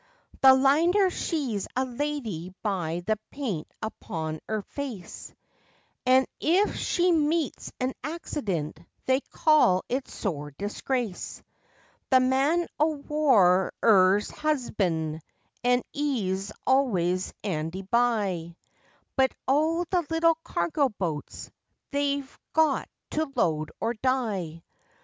_ The Liner she's a lady by the paint upon 'er face, An' if she meets an accident they call it sore disgrace: The Man o' War's 'er 'usband, and 'e's always 'andy by, But, oh, the little cargo boats! they've got to load or die.